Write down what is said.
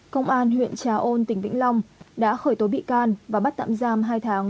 công an huyện trà ôn tỉnh vĩnh long đã khởi tố bị can và bắt tạm giam hai tháng